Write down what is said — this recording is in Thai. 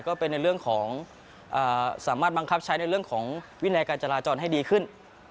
ก็เป็นในเรื่องของสามารถบังคับใช้ในเรื่องของวินัยการจราจรให้ดีขึ้น